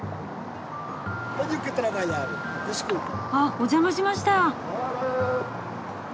あっお邪魔しました。